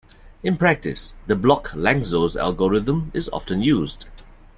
In practice, the block Lanczos algorithm is often used.